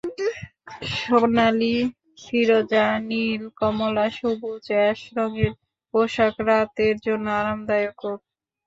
সোনালি, ফিরোজা, নীল, কমলা সবুজ, অ্যাশ রংয়ের পোশাক রাতের জন্য আরামদায়কও।